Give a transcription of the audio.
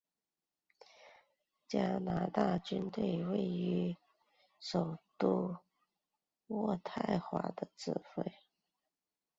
加拿大军队由位于首都渥太华的指挥。